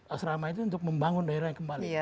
asrama itu untuk membangun daerah yang kembali